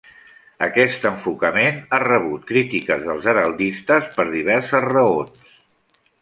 Aquest enfocament ha rebut crítiques dels heraldistes per diverses raons.